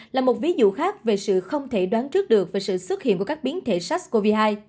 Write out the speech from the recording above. là một ví dụ khác về sự không thể đoán trước được về sự xuất hiện của các biến thể sars cov hai